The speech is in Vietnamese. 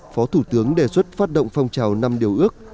phó thủ tướng đề xuất phát động phong trào năm điều ước